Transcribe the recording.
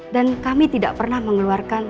dan kami tidak pernah mengeluarkan